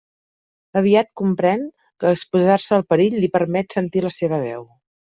Aviat comprèn que exposar-se al perill li permet sentir la seva veu.